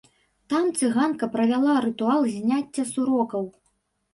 Там цыганка правяла рытуал зняцця сурокаў.